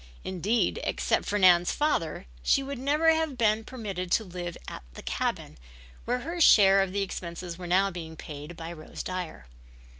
Indeed, except for Nan's father, she would never have been permitted to live at the cabin, where her share of the expenses were now being paid by Rose Dyer.